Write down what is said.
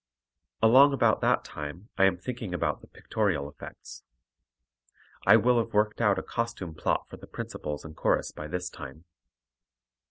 Along about that time I am thinking about the pictorial effects. I will have worked out a costume plot for the principals and chorus by this time.